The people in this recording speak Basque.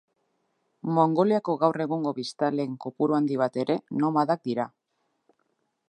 Mongoliako gaur egungo biztanleen kopuru handi bat ere nomadak dira.